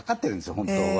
本当は。